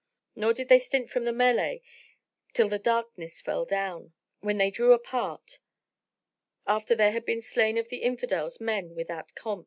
Nor did they stint from the mellay till the darkness fell down, when they drew apart, after there had been slain of the Infidels men without compt.